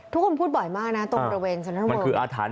ทุกคนพูดบ่อยมากนะตรงระเวนสนับทะเวิร์ค